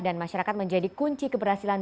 dan masyarakat menjadi kunci keberhasilan